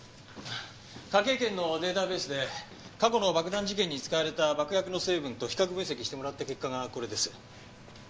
科警研のデータベースで過去の爆弾事件に使われた爆薬の成分と比較分析してもらった結果がこれです。